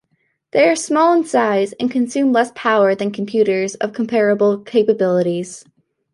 They are small in size and consume less power than computers of comparable capabilities.